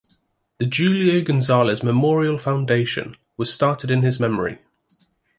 The Julio Gonzalez Memorial Foundation was started in his memory.